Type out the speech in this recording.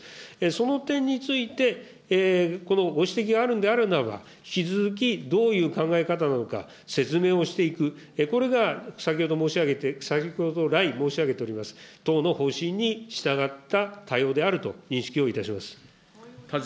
その点について、このご指摘があるんであるならば、引き続きどういう考え方なのか、説明をしていく、これが先ほど来、申し上げております、党の方針に従った対応であると認識をいたします。